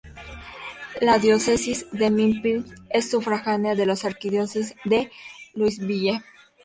La Diócesis de Memphis es sufragánea de la Arquidiócesis de Louisville.